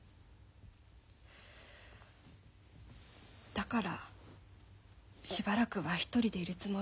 だからしばらくは一人でいるつもり。